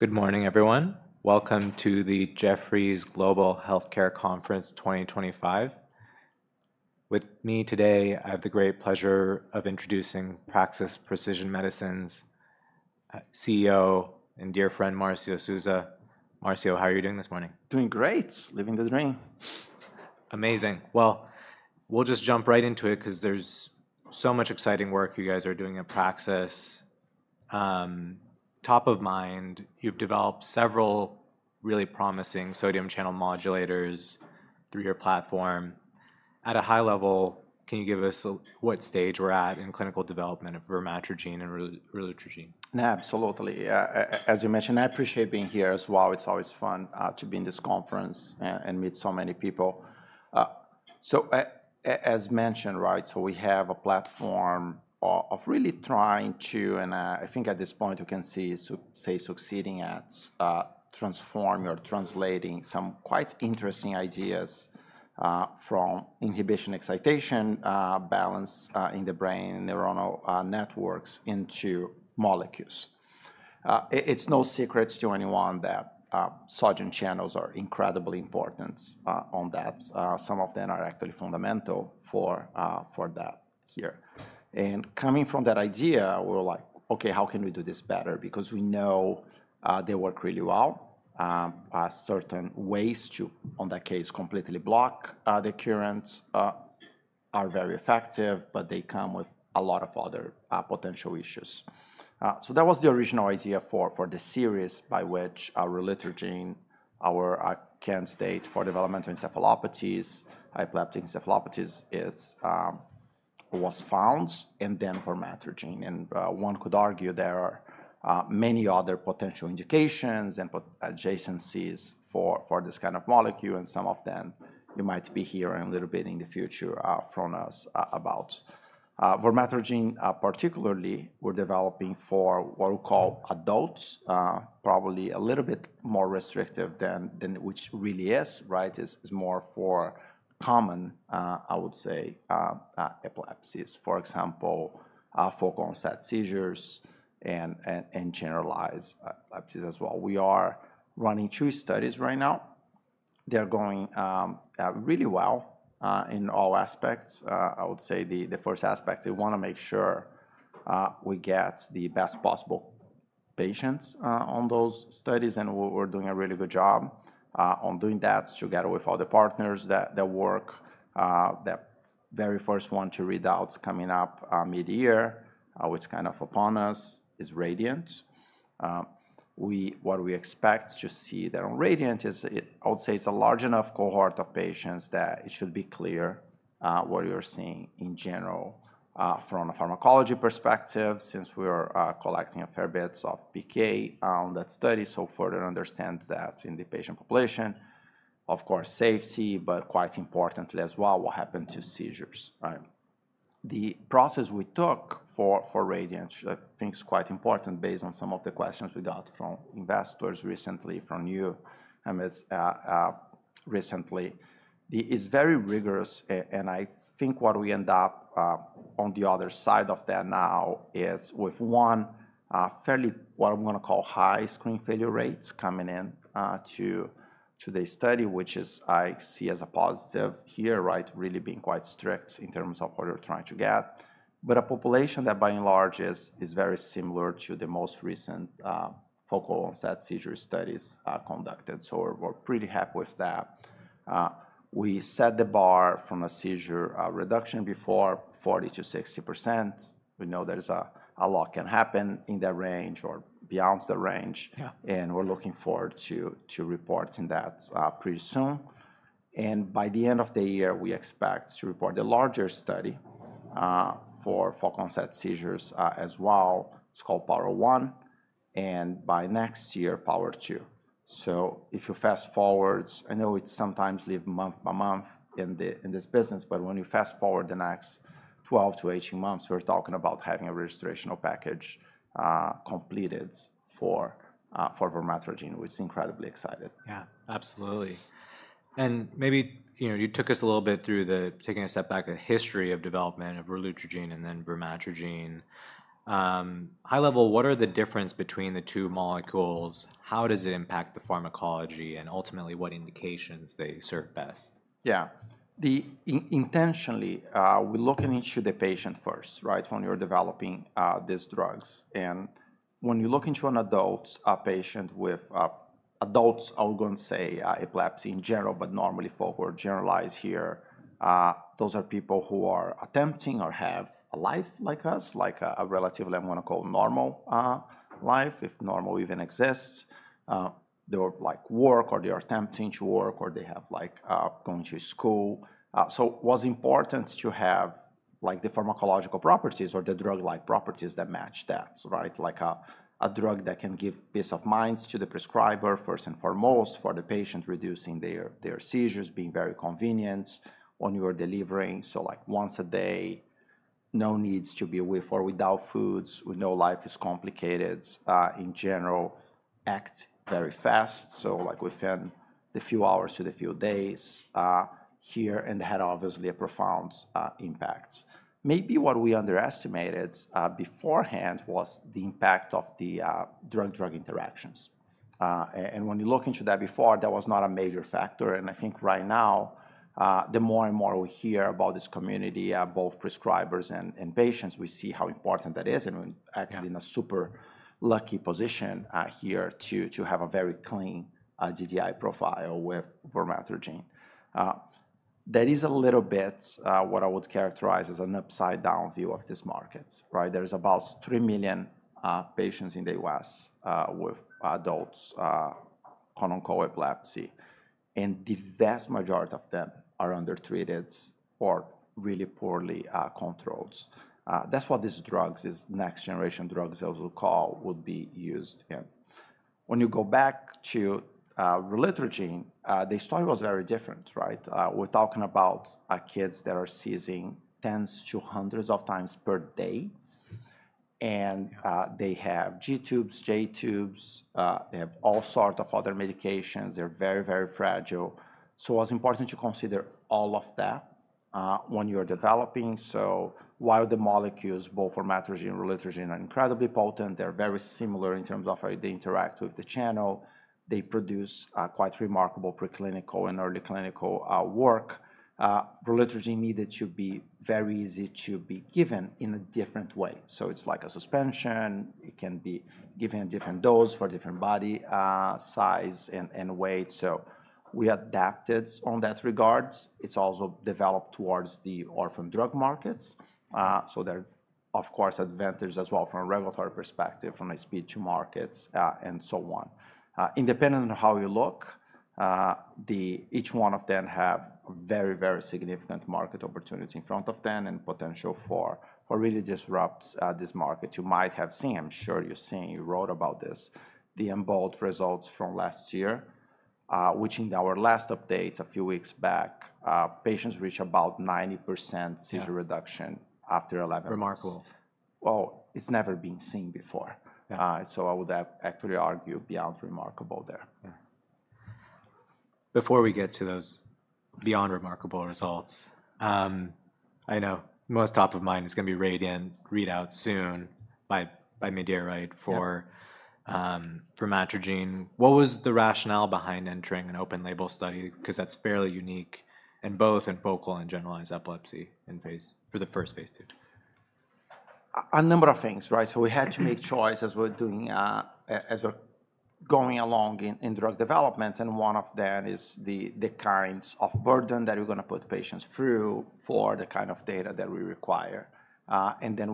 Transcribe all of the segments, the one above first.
Good morning, everyone. Welcome to the Jefferies Global Healthcare Conference 2025. With me today, I have the great pleasure of introducing Praxis Precision Medicines CEO and dear friend, Marcio Souza. Marcio, how are you doing this morning? Doing great. Living the dream. Amazing. We'll just jump right into it because there's so much exciting work you guys are doing at Praxis. Top of mind, you've developed several really promising sodium channel modulators through your platform. At a high level, can you give us what stage we're at in clinical development of vormatrigine and relutrigine? Absolutely. As you mentioned, I appreciate being here as well. It's always fun to be in this conference and meet so many people. As mentioned, right, we have a platform of really trying to, and I think at this point we can see it's succeeding at transforming or translating some quite interesting ideas from inhibition, excitation, balance in the brain, neuronal networks into molecules. It's no secret to anyone that sodium channels are incredibly important on that. Some of them are actually fundamental for that here. Coming from that idea, we're like, okay, how can we do this better? Because we know they work really well. Certain ways to, on that case, completely block the currents are very effective, but they come with a lot of other potential issues. That was the original idea for the series by which relutrigine, our candidate for developmental and epileptic encephalopathies, was found, and then vormatrigine. One could argue there are many other potential indications and adjacencies for this kind of molecule, and some of them you might be hearing a little bit in the future from us about. Vormatrigine, particularly, we're developing for what we call adults, probably a little bit more restrictive than what it really is, right? It's more for common, I would say, epilepsies, for example, focal onset seizures and generalized epilepsies as well. We are running two studies right now. They're going really well in all aspects. I would say the first aspect, they want to make sure we get the best possible patients on those studies, and we're doing a really good job on doing that together with other partners that work. That very first one to read out's coming up mid-year, which kind of upon us is Radiant. What we expect to see there on Radiant is, I would say it's a large enough cohort of patients that it should be clear what you're seeing in general from a pharmacology perspective since we are collecting a fair bit of PK on that study to further understand that in the patient population. Of course, safety, but quite importantly as well, what happened to seizures, right? The process we took for Radiant, I think it's quite important based on some of the questions we got from investors recently, from you, Emma, recently. It's very rigorous, and I think what we end up on the other side of that now is with one fairly, what I'm going to call, high screen failure rates coming into the study, which is, I see as a positive here, right? Really being quite strict in terms of what you're trying to get. A population that by and large is very similar to the most recent focal onset seizure studies conducted. We are pretty happy with that. We set the bar from a seizure reduction before 40-60%. We know there's a lot can happen in that range or beyond the range, and we're looking forward to reporting that pretty soon. By the end of the year, we expect to report the larger study for focal onset seizures as well. It's called POWER1, and by next year, POWER2. If you fast forward, I know it sometimes lives month by month in this business, but when you fast forward the next 12 to 18 months, we're talking about having a registration package completed for vormatrigine, which is incredibly exciting. Yeah, absolutely. Maybe you took us a little bit through the, taking a step back, the history of development of relutrigine and then vormatrigine. High level, what are the differences between the two molecules? How does it impact the pharmacology and ultimately what indications they serve best? Yeah. Intentionally, we're looking into the patient first, right, when you're developing these drugs. And when you look into an adult patient with adults, I'll go and say epilepsy in general, but normally focal or generalized here, those are people who are attempting or have a life like us, like a relatively, I'm going to call normal life, if normal even exists. They're like work or they're attempting to work or they have like going to school. It was important to have the pharmacological properties or the drug-like properties that match that, right? Like a drug that can give peace of mind to the prescriber, first and foremost, for the patient reducing their seizures, being very convenient when you are delivering. Like once a day, no needs to be with or without foods. We know life is complicated in general, act very fast. Like within the few hours to the few days here, it had obviously a profound impact. Maybe what we underestimated beforehand was the impact of the drug-drug interactions. When you look into that before, that was not a major factor. I think right now, the more and more we hear about this community, both prescribers and patients, we see how important that is. We're actually in a super lucky position here to have a very clean DDI profile with vormatrigine. That is a little bit what I would characterize as an upside down view of this market, right? There are about 3 million patients in the U.S. with adults on co-epilepsy, and the vast majority of them are undertreated or really poorly controlled. That's what these drugs, these next generation drugs as we call, would be used. When you go back to relutrigine, the story was very different, right? We're talking about kids that are seizing tens to hundreds of times per day. They have G-tubes, J-tubes. They have all sorts of other medications. They're very, very fragile. It was important to consider all of that when you're developing. While the molecules, both vormatrigine and relutrigine, are incredibly potent, they're very similar in terms of how they interact with the channel. They produce quite remarkable preclinical and early clinical work. Relutrigine needed to be very easy to be given in a different way. It's like a suspension. It can be given a different dose for different body size and weight. We adapted on that regard. It's also developed towards the orphan drug markets. They're, of course, advantaged as well from a regulatory perspective, from a speed to markets and so on. Independent of how you look, each one of them has very, very significant market opportunities in front of them and potential for really disrupting this market. You might have seen, I'm sure you've seen, you wrote about this, the EMBOLD results from last year, which in our last updates a few weeks back, patients reach about 90% seizure reduction after 11 weeks. Remarkable. It has never been seen before. I would actually argue beyond remarkable there. Before we get to those beyond remarkable results, I know most top of mind is going to be RADIANT readout soon by Medea, right, for vormatrigine. What was the rationale behind entering an open label study? Because that's fairly unique in both focal and generalized epilepsy in phase for the first phase two. A number of things, right? We had to make choices as we're doing, as we're going along in drug development. One of that is the kinds of burden that we're going to put patients through for the kind of data that we require.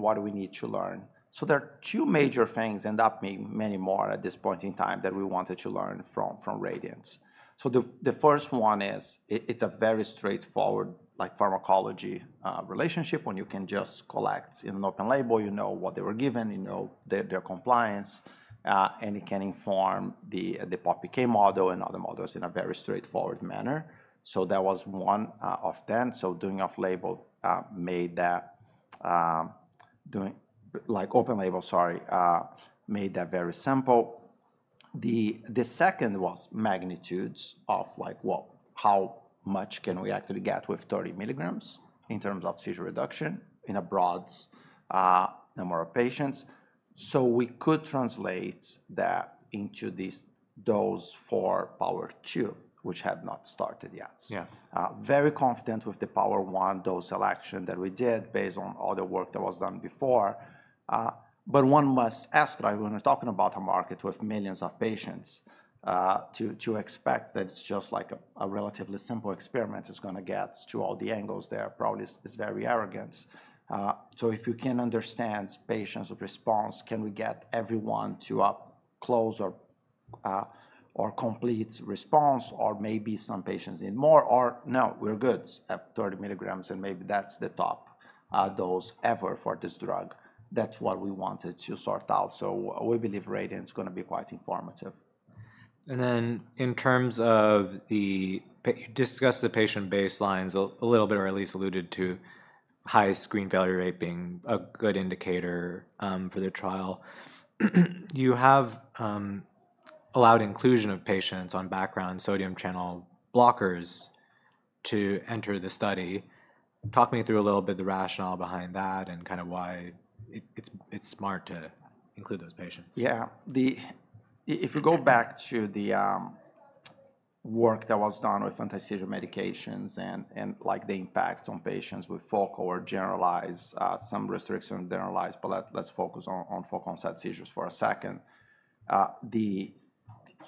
What do we need to learn? There are two major things, and there may be many more at this point in time, that we wanted to learn from Radiants. The first one is it's a very straightforward pharmacology relationship when you can just collect in an open label, you know what they were given, you know their compliance, and it can inform the POPPK model and other models in a very straightforward manner. That was one of them. Doing open label made that very simple. The second was magnitudes of like, well, how much can we actually get with 30 milligrams in terms of seizure reduction in a broad number of patients? We could translate that into this dose for POWER2, which had not started yet. Very confident with the POWER1 dose selection that we did based on all the work that was done before. One must ask, right? When we're talking about a market with millions of patients, to expect that it's just like a relatively simple experiment is going to get to all the angles there probably is very arrogant. If you can understand patients' response, can we get everyone to a close or complete response, or maybe some patients need more, or no, we're good at 30 milligrams, and maybe that's the top dose ever for this drug. That's what we wanted to sort out. We believe Radiant's going to be quite informative. In terms of the, discussed the patient baselines a little bit, or at least alluded to high screen failure rate being a good indicator for the trial. You have allowed inclusion of patients on background sodium channel blockers to enter the study. Talk me through a little bit of the rationale behind that and kind of why it's smart to include those patients. Yeah. If you go back to the work that was done with anti-seizure medications and like the impact on patients with focal or generalized, some restriction on generalized, but let's focus on focal onset seizures for a second. The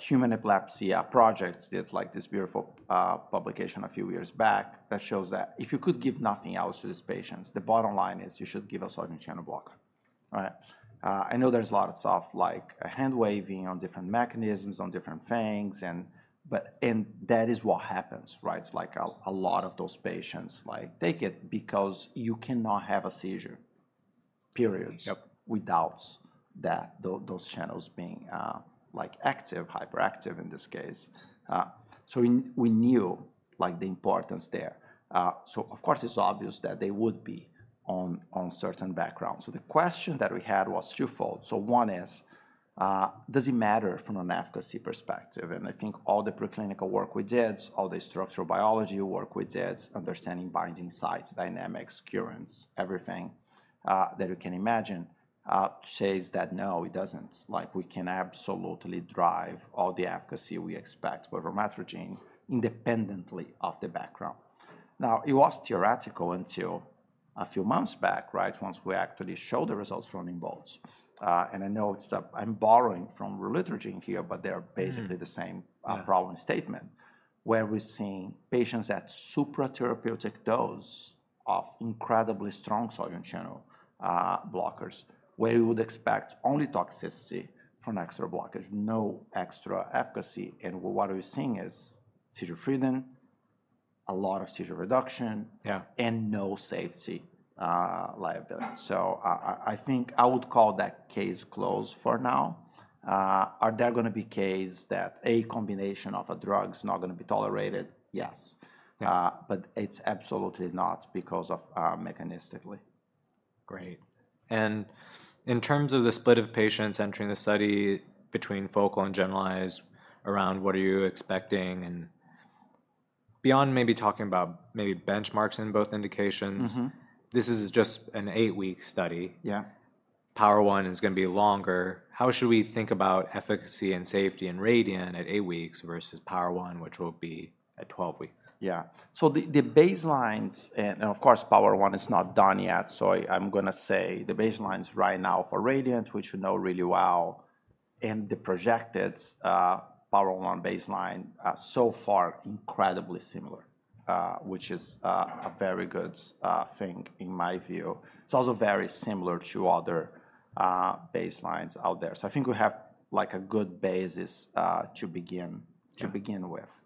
Human Epilepsy Project did like this beautiful publication a few years back that shows that if you could give nothing else to these patients, the bottom line is you should give a sodium channel blocker, right? I know there's a lot of stuff like hand waving on different mechanisms, on different things, but that is what happens, right? It's like a lot of those patients like take it because you cannot have a seizure, period, without those channels being like active, hyperactive in this case. So we knew like the importance there. Of course, it's obvious that they would be on certain backgrounds. The question that we had was twofold. One is, does it matter from an efficacy perspective? I think all the preclinical work we did, all the structural biology work we did, understanding binding sites, dynamics, currents, everything that you can imagine says that no, it does not. We can absolutely drive all the efficacy we expect for vormatrigine independently of the background. It was theoretical until a few months back, right? Once we actually showed the results from involves. I know I am borrowing from relutrigine here, but they are basically the same problem statement where we are seeing patients at supratherapeutic dose of incredibly strong sodium channel blockers where we would expect only toxicity for an extra blockage, no extra efficacy. What we are seeing is seizure freedom, a lot of seizure reduction, and no safety liability. I think I would call that case closed for now. Are there going to be cases that a combination of a drug is not going to be tolerated? Yes. It is absolutely not because of mechanistically. Great. In terms of the split of patients entering the study between focal and generalized, around what are you expecting? Beyond maybe talking about maybe benchmarks in both indications, this is just an eight-week study. Power One is going to be longer. How should we think about efficacy and safety in Radiant at eight weeks versus Power One, which will be at 12 weeks? Yeah. The baselines, and of course, Power One is not done yet. I am going to say the baselines right now for Radiant, which we know really well, and the projected Power One baseline so far, are incredibly similar, which is a very good thing in my view. It is also very similar to other baselines out there. I think we have like a good basis to begin with.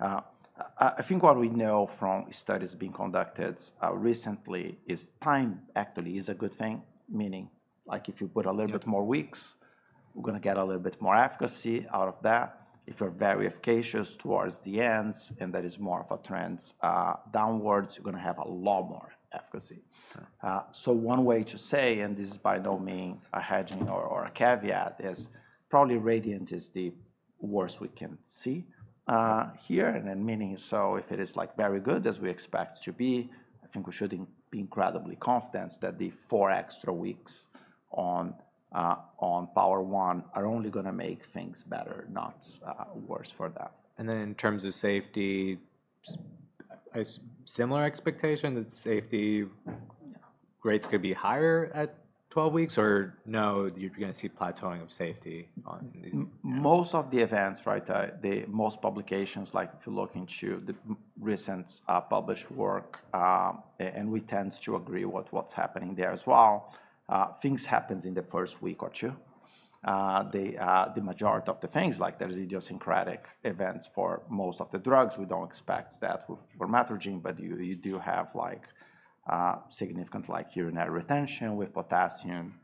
I think what we know from studies being conducted recently is time actually is a good thing, meaning like if you put a little bit more weeks, we are going to get a little bit more efficacy out of that. If you are very efficacious towards the ends and that is more of a trend downwards, you are going to have a lot more efficacy. One way to say, and this is by no means a hedging or a caveat, is probably RADIANT is the worst we can see here. Meaning, if it is very good as we expect it to be, I think we should be incredibly confident that the four extra weeks on POWER1 are only going to make things better, not worse for that. In terms of safety, similar expectation that safety rates could be higher at 12 weeks or no, you're going to see plateauing of safety on these. Most of the events, right? Most publications, like if you look into the recent published work, and we tend to agree what's happening there as well, things happen in the first week or two. The majority of the things, like there's idiosyncratic events for most of the drugs, we don't expect that with vormatrigine, but you do have like significant like urinary retention with potassium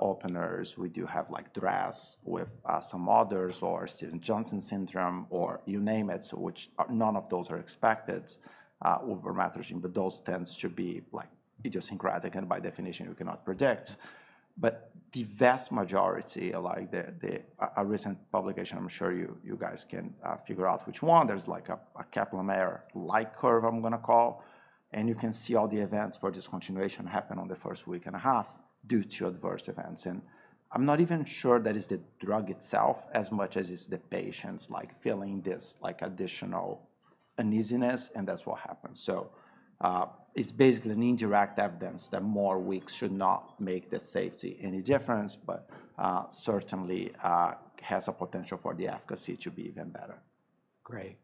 openers. We do have like dry eyes with some others or Stevens-Johnson syndrome or you name it, which none of those are expected with vormatrigine, but those tend to be like idiosyncratic and by definition, you cannot predict. The vast majority, like a recent publication, I'm sure you guys can figure out which one, there's like a Kaplan-Meier like curve I'm going to call. You can see all the events for discontinuation happen in the first week and a half due to adverse events. I'm not even sure that is the drug itself as much as it's the patients feeling this additional uneasiness, and that's what happens. It is basically an indirect evidence that more weeks should not make the safety any different, but certainly has a potential for the efficacy to be even better. Great.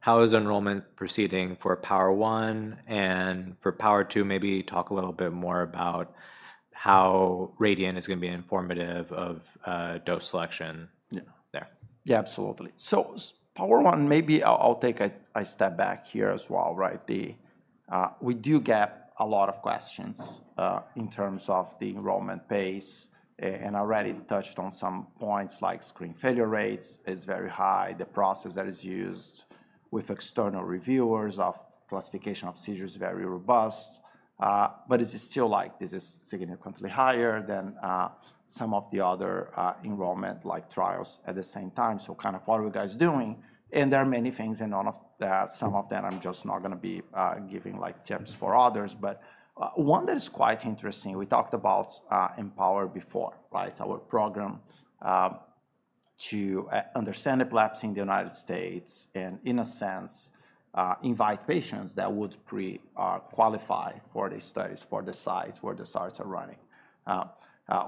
How is enrollment proceeding for POWER1 and for POWER2? Maybe talk a little bit more about how RADIANT is going to be informative of dose selection there. Yeah, absolutely. Power One, maybe I'll take a step back here as well, right? We do get a lot of questions in terms of the enrollment pace and already touched on some points like screen failure rates is very high. The process that is used with external reviewers of classification of seizures is very robust. It's still like this is significantly higher than some of the other enrollment like trials at the same time. Kind of what are we guys doing? There are many things and some of them I'm just not going to be giving like tips for others. One that is quite interesting, we talked about Empower before, right? It's our program to understand epilepsy in the United States and in a sense, invite patients that would pre-qualify for these studies for the sites where the sites are running.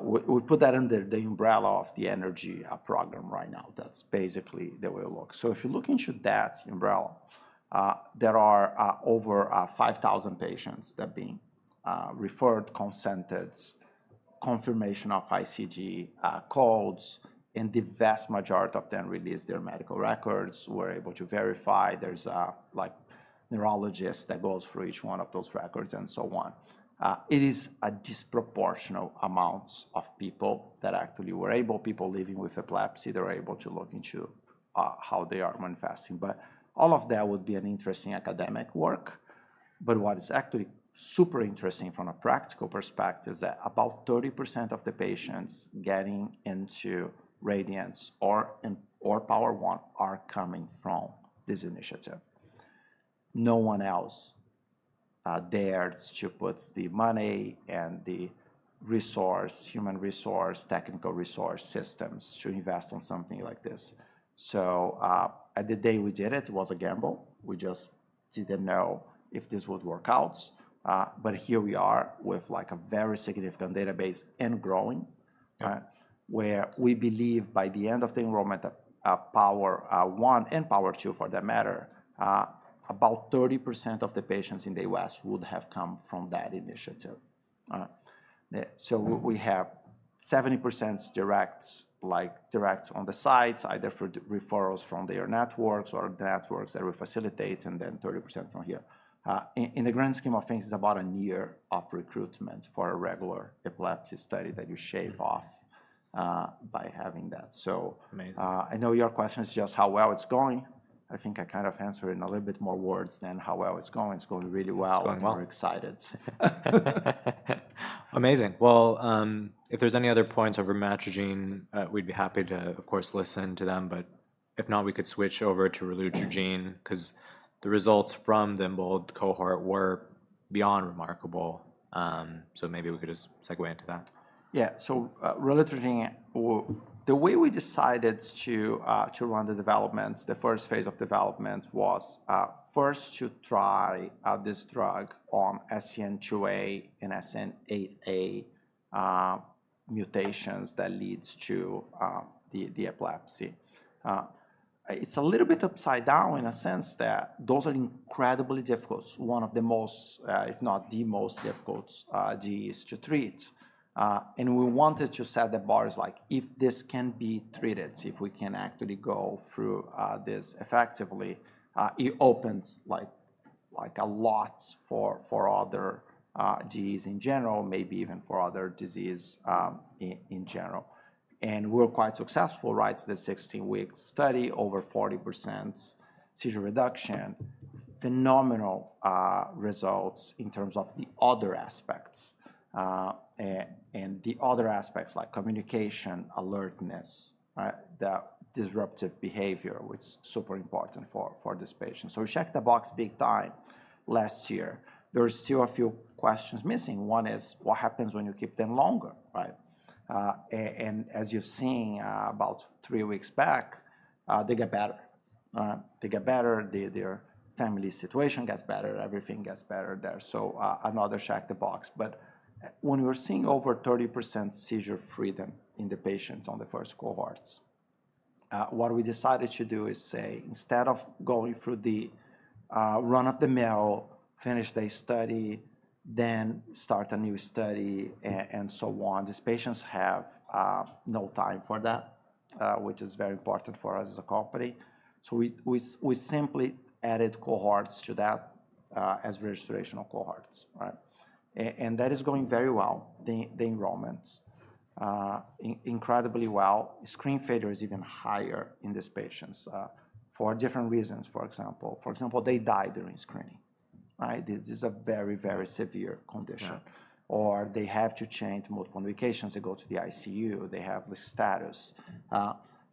We put that under the umbrella of the Energy program right now. That's basically the way it looks. If you look into that umbrella, there are over 5,000 patients that have been referred, consented, confirmation of ICD codes, and the vast majority of them released their medical records. We're able to verify there's a neurologist that goes through each one of those records and so on. It is a disproportional amount of people that actually were able, people living with epilepsy, they're able to look into how they are manifesting. All of that would be an interesting academic work. What is actually super interesting from a practical perspective is that about 30% of the patients getting into Radiants or Power One are coming from this initiative. No one else dares to put the money and the resource, human resource, technical resource systems to invest in something like this. At the day we did it, it was a gamble. We just didn't know if this would work out. Here we are with like a very significant database and growing, where we believe by the end of the enrollment, Power One and Power Two for that matter, about 30% of the patients in the U.S. would have come from that initiative. We have 70% direct on the sites, either for referrals from their networks or the networks that we facilitate, and then 30% from here. In the grand scheme of things, it's about a year of recruitment for a regular epilepsy study that you shave off by having that. I know your question is just how well it's going. I think I kind of answered in a little bit more words than how well it's going. It's going really well. We're excited. Amazing. If there's any other points over matching, we'd be happy to, of course, listen to them. If not, we could switch over to relutrigine because the results from the Bold cohort were beyond remarkable. Maybe we could just segue into that. Yeah. So relutrigine, the way we decided to run the developments, the first phase of developments was first to try this drug on SCN2A and SCN8A mutations that leads to the epilepsy. It's a little bit upside down in a sense that those are incredibly difficult. One of the most, if not the most difficult disease to treat. We wanted to set the bar is like if this can be treated, if we can actually go through this effectively, it opens like a lot for other disease in general, maybe even for other disease in general. We're quite successful, right? It's the 16-week study, over 40% seizure reduction, phenomenal results in terms of the other aspects and the other aspects like communication, alertness, that disruptive behavior, which is super important for this patient. We checked the box big time last year. There are still a few questions missing. One is what happens when you keep them longer, right? As you've seen about three weeks back, they get better. They get better. Their family situation gets better. Everything gets better there. Another check the box. When we're seeing over 30% seizure freedom in the patients on the first cohorts, what we decided to do is say instead of going through the run of the mill, finish day study, then start a new study and so on, these patients have no time for that, which is very important for us as a company. We simply added cohorts to that as registration of cohorts, right? That is going very well. The enrollments, incredibly well. Screen failure is even higher in these patients for different reasons. For example, they die during screening, right? This is a very, very severe condition. They have to change multiple medications. They go to the ICU. They have the status.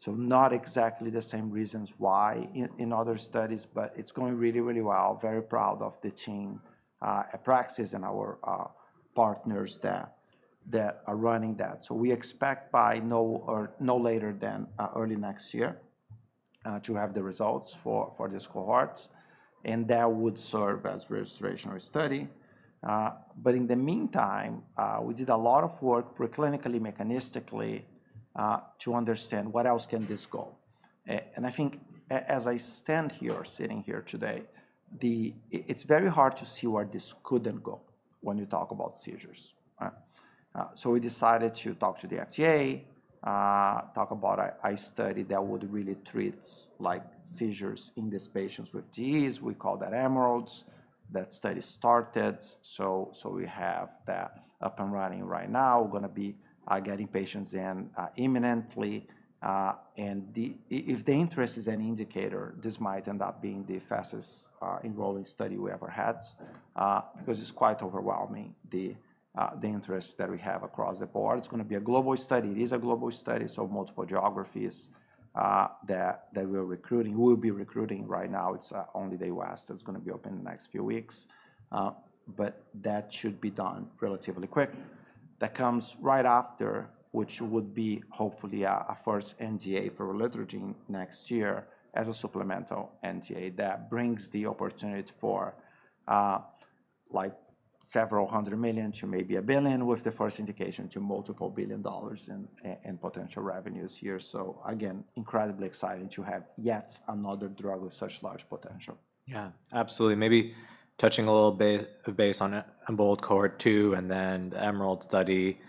Not exactly the same reasons why in other studies, but it's going really, really well. Very proud of the team at Praxis and our partners that are running that. We expect by no later than early next year to have the results for these cohorts. That would serve as registration or study. In the meantime, we did a lot of work preclinically, mechanistically to understand what else can this go. I think as I stand here, sitting here today, it's very hard to see where this couldn't go when you talk about seizures. We decided to talk to the FDA, talk about a study that would really treat like seizures in these patients with disease. We call that Emeralds. That study started. We have that up and running right now. We're going to be getting patients in imminently. If the interest is an indicator, this might end up being the fastest enrolling study we ever had because it's quite overwhelming, the interest that we have across the board. It's going to be a global study. It is a global study. Multiple geographies that we're recruiting, we'll be recruiting right now. It's only the U.S. that's going to be open in the next few weeks. That should be done relatively quick. That comes right after, which would be hopefully a first NDA for relutrigine next year as a supplemental NDA that brings the opportunity for like several hundred million to maybe $1 billion with the first indication to multiple billion dollars in potential revenues here. Again, incredibly exciting to have yet another drug with such large potential. Yeah, absolutely. Maybe touching a little bit of base on EMBOLD cohort two and then the EMERALD study.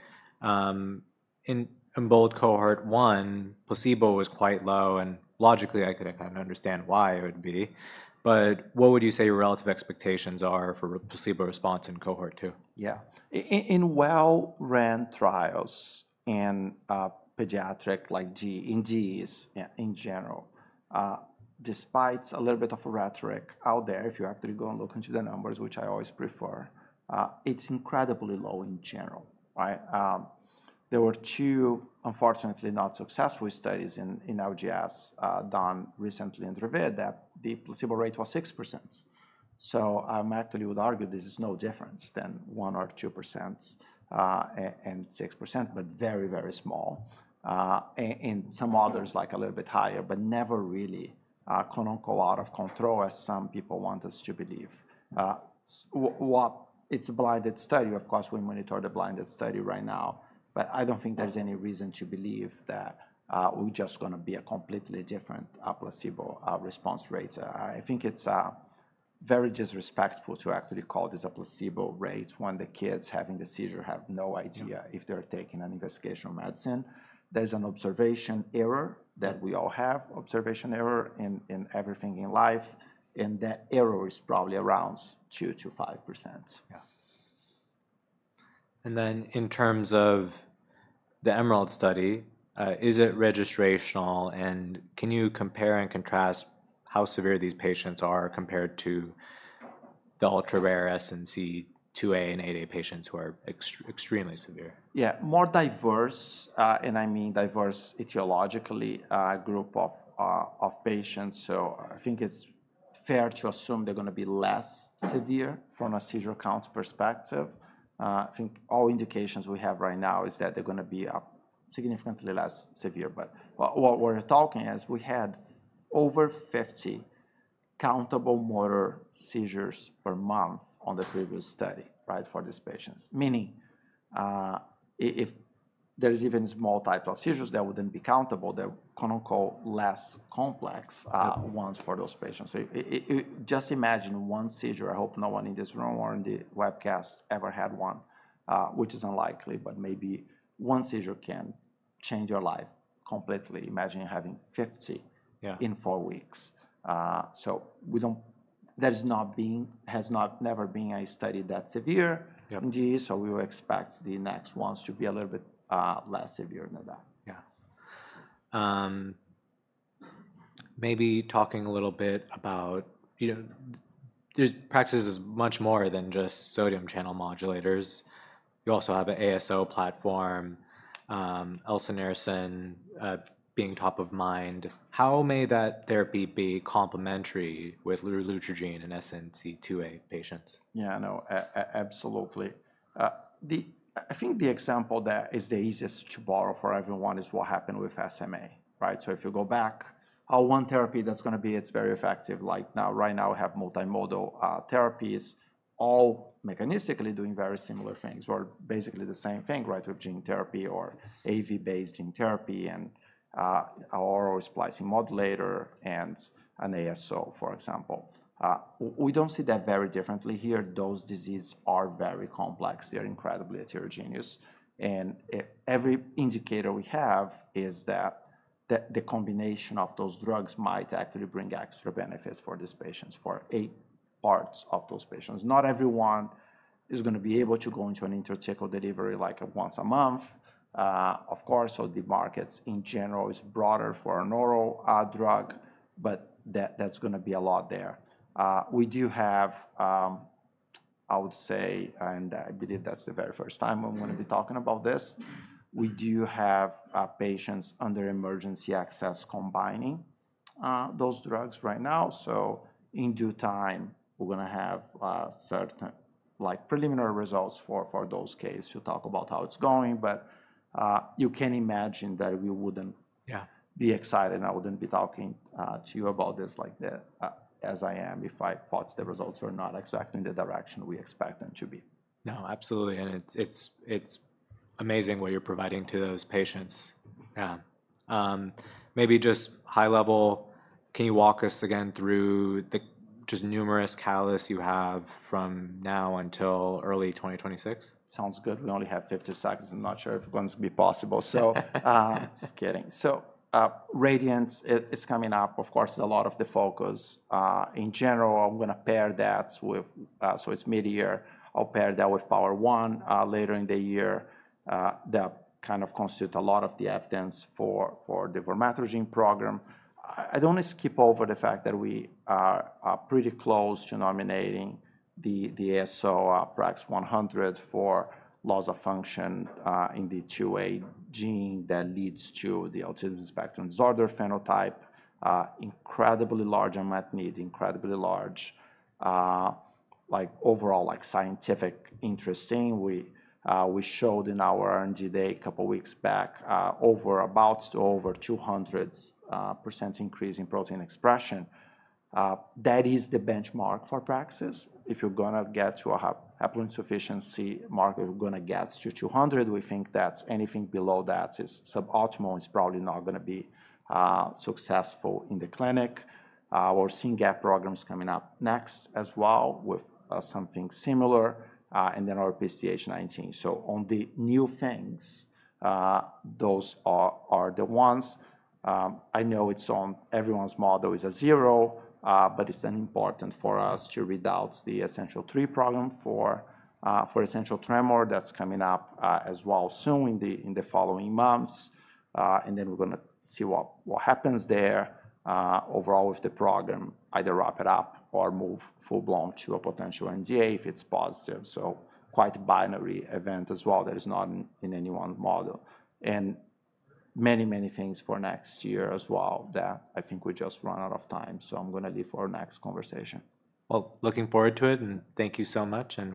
In EMBOLD cohort one, placebo was quite low. And logically, I could kind of understand why it would be. But what would you say your relative expectations are for placebo response in cohort two? Yeah. In well-run trials and pediatric like in disease in general, despite a little bit of a rhetoric out there, if you actually go and look into the numbers, which I always prefer, it's incredibly low in general. There were two, unfortunately, not successful studies in LGS done recently in Ravina that the placebo rate was 6%. I actually would argue this is no difference than 1 or 2% and 6%, but very, very small. Some others like a little bit higher, but never really canonical out of control as some people want us to believe. It's a blinded study. Of course, we monitor the blinded study right now. I don't think there's any reason to believe that we're just going to be a completely different placebo response rate. I think it's very disrespectful to actually call this a placebo rate when the kids having the seizure have no idea if they're taking an investigational medicine. There's an observation error that we all have, observation error in everything in life. And that error is probably around 2-5%. Yeah. And then in terms of the Emerald study, is it registrational? And can you compare and contrast how severe these patients are compared to the ultra rare SCN2A and 8A patients who are extremely severe? Yeah, more diverse. And I mean diverse etiologically, group of patients. I think it's fair to assume they're going to be less severe from a seizure count perspective. I think all indications we have right now is that they're going to be significantly less severe. What we're talking is we had over 50 countable motor seizures per month on the previous study for these patients. Meaning if there's even small type of seizures, that wouldn't be countable. They're canonical less complex ones for those patients. Just imagine one seizure. I hope no one in this room or in the webcast ever had one, which is unlikely, but maybe one seizure can change your life completely. Imagine having 50 in four weeks. There has not never been a study that severe disease. We will expect the next ones to be a little bit less severe than that. Yeah. Maybe talking a little bit about, Praxis is much more than just sodium channel modulators. You also have an ASO platform, Elsunersen being top of mind. How may that therapy be complementary with relutrigine in SCN2A patients? Yeah, no, absolutely. I think the example that is the easiest to borrow for everyone is what happened with SMA, right? If you go back, how one therapy that's going to be, it's very effective. Like now, right now we have multimodal therapies, all mechanistically doing very similar things or basically the same thing, right? With gene therapy or AAV-based gene therapy and our splicing modulator and an ASO, for example. We do not see that very differently here. Those diseases are very complex. They are incredibly heterogeneous. Every indicator we have is that the combination of those drugs might actually bring extra benefits for these patients, for eight parts of those patients. Not everyone is going to be able to go into an intrathecal delivery like once a month, of course. The markets in general is broader for a neuro drug, but that's going to be a lot there. We do have, I would say, and I believe that's the very first time I'm going to be talking about this. We do have patients under emergency access combining those drugs right now. In due time, we're going to have certain preliminary results for those cases to talk about how it's going. You can imagine that we wouldn't be excited. I wouldn't be talking to you about this as I am if I thought the results were not exactly in the direction we expect them to be. No, absolutely. It's amazing what you're providing to those patients. Maybe just high level, can you walk us again through the just numerous catalysts you have from now until early 2026? Sounds good. We only have 50 seconds. I'm not sure if it's going to be possible. Just kidding. Radiant, it's coming up, of course, a lot of the focus. In general, I'm going to pair that with, it's mid-year. I'll pair that with POWER1 later in the year. That kind of constitutes a lot of the evidence for the vormatrigine program. I don't want to skip over the fact that we are pretty close to nominating the ASO PRAX-100 for loss-of-function in the 2A gene that leads to the autism spectrum disorder phenotype, incredibly large and might need incredibly large. Like overall, like scientific interesting, we showed in our R&D day a couple of weeks back, over about to over 200% increase in protein expression. That is the benchmark for Praxis. If you're going to get to a heparin sufficiency mark, you're going to get to 200. We think that anything below that is suboptimal. It's probably not going to be successful in the clinic. We're seeing gap programs coming up next as well with something similar and then our PCDH19. On the new things, those are the ones. I know it's on everyone's model as a zero, but it's then important for us to read out the Essential3 program for essential tremor that's coming up as well soon in the following months. We are going to see what happens there overall with the program, either wrap it up or move full-blown to a potential NDA if it's positive. Quite a binary event as well that is not in any one model. Many, many things for next year as well that I think we just run out of time. I'm going to leave for our next conversation. Looking forward to it. Thank you so much.